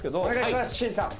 お願いします審査。